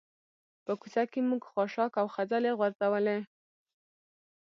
په کوڅه کې موږ خاشاک او خځلې غورځولي.